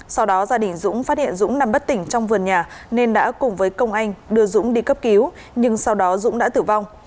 sau đó gia đình dũng phát hiện dũng nằm bất tỉnh trong vườn nhà nên đã cùng với công anh đưa dũng đi cấp cứu nhưng sau đó dũng đã tử vong